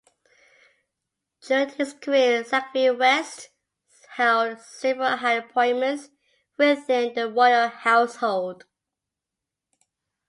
During his career Sackville-West held several high appointments within the Royal household.